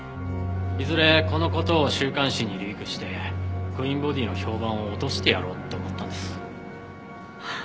いずれこの事を週刊誌にリークしてクイーンボディーの評判を落としてやろうって思ったんです。